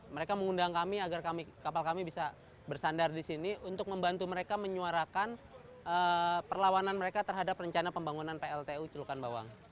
mereka mengundang kami agar kapal kami bisa bersandar di sini untuk membantu mereka menyuarakan perlawanan mereka terhadap rencana pembangunan pltu celukan bawang